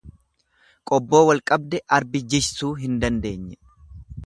Qobboo wal qabde arbi jiysuu hin dandeenye.